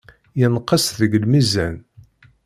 Yenqes deg lmizan.